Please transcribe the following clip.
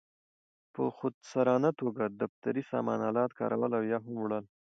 په خودسرانه توګه د دفتري سامان آلاتو کارول او یا هم وړل.